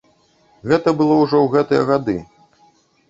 Гэта было ўжо ў гэтыя гады.